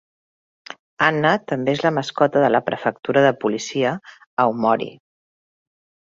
Anna també és la mascota de la prefectura de policia Aomori.